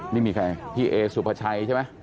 นี่มีใครพี่เอสุภาชัยใช่ไหม